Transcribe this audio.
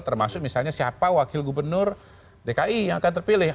termasuk misalnya siapa wakil gubernur dki yang akan terpilih